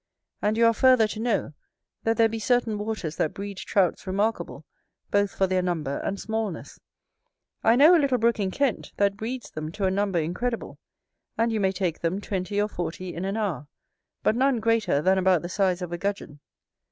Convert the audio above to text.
And you are further to know, that there be certain waters that breed Trouts remarkable, both for their number and smallness. I know a little brook in Kent, that breeds them to a number incredible, and you may take them twenty or forty in an hour, but none greater than about the size of a Gudgeon.